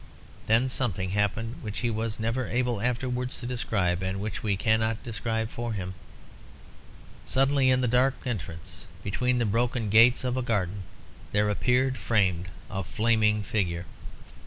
Then something happened which he was never able afterwards to describe, and which we cannot describe for him. Suddenly in the dark entrance, between the broken gates of a garden, there appeared framed a flaming figure.